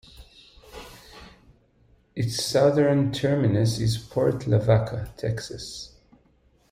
Its southern terminus is Port Lavaca, Texas.